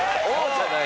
じゃない。